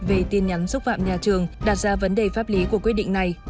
về tin nhắn xúc phạm nhà trường đặt ra vấn đề pháp lý của quyết định này